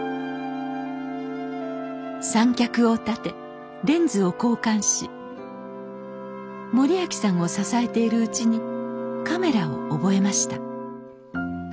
三脚を立てレンズを交換し盛明さんを支えているうちにカメラを覚えました